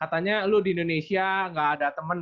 katanya lo di indonesia gak ada temen